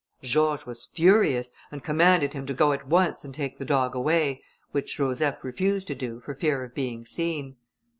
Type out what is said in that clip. George was furious, and commanded him to go at once and take the dog away, which Joseph refused to do for fear of being seen.